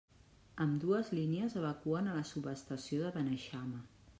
Ambdues línies evacuen a la subestació de Beneixama.